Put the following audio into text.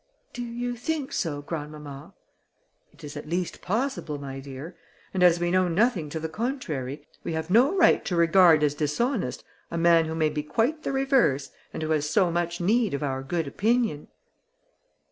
"Do you think so, grandmamma?" "It is at least possible, my dear; and as we know nothing to the contrary, we have no right to regard as dishonest a man who may be quite the reverse, and who has so much need of our good opinion."